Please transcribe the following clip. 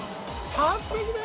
完璧だよ！